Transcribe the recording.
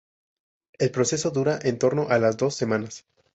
El proceso dura en torno a las dos semanas.